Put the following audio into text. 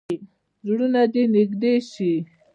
زړونه دې نږدې شي.